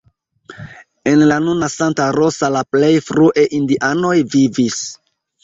En la nuna Santa Rosa la plej frue indianoj vivis.